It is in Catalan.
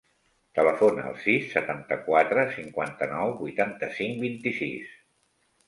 Telefona al sis, setanta-quatre, cinquanta-nou, vuitanta-cinc, vint-i-sis.